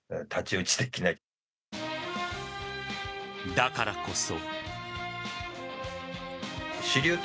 だからこそ。